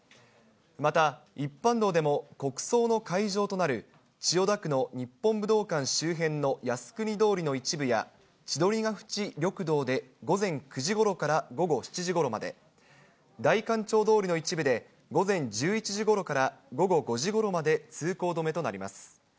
また、一般道でも国葬の会場となる、千代田区の日本武道館周辺の靖国通りの一部や、千鳥ヶ淵緑道で午前９時ごろから午後７時ごろまで、代官町通りの一部で、午前１１時ごろから午後５時ごろまで通行止めとなります。